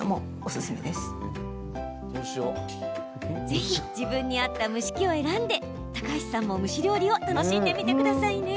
ぜひ自分に合った蒸し器を選んで高橋さんも蒸し料理を楽しんでみてくださいね。